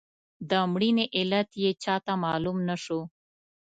د مړینې علت یې چاته معلوم نه شو.